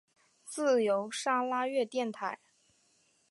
自由砂拉越电台。